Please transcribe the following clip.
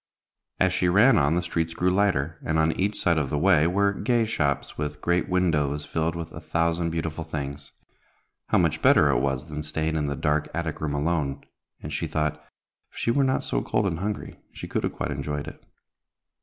As she ran on, the streets grew lighter, and on each side of the way were gay shops, with great windows filled with a thousand beautiful things. How much better it was than staying in the dark attic room alone; and she thought, if she were not so cold and hungry, she could have quite enjoyed it.